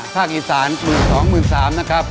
ภาคอีสาน๑๒๐๐๐๑๓๐๐๐นะครับ